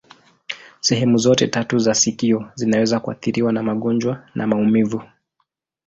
Sehemu zote tatu za sikio zinaweza kuathiriwa na magonjwa na maumivu.